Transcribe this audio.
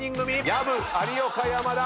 薮有岡山田！